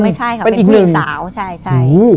ไม่ใช่ค่ะเป็นผู้หญิงสาว